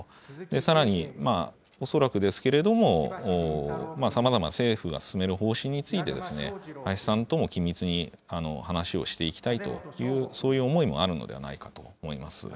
さらに、恐らくですけれども、さまざまな政府が進める方針について、林さんとも緊密に話をしていきたいという、そういう思いもあるのではないかと思います。